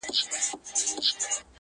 له آمو تر اباسینه دا څپه له کومه راوړو.!